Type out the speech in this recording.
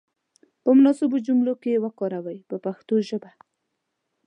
په مناسبو جملو کې یې وکاروئ په پښتو ژبه.